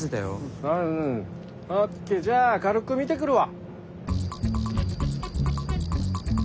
ＯＫじゃあ軽く見てくるわ。